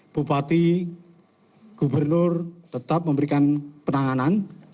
bupati gubernur tetap memberikan penanganan